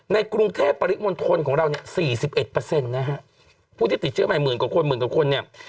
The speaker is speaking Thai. ในกรุงเทพปริมณฑลของเราเนี่ย๔๑นะฮะผู้ที่ติดเชื้อใหม่หมื่นกว่าคนหมื่นกว่าคนเนี่ย